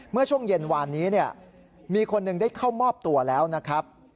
เมื่อช่วงเย็นวานนี้มีคนหนึ่งได้เข้ามอบตัวแล้วนะครับ